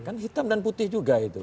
kan hitam dan putih juga itu